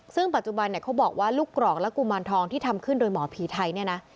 ซึ่งปัจจุบันเนี่ยเขาบอกว่าลูกกรอกและกุมารทองที่ทำขึ้นโดยหมอผีไทยเนี่ยนะ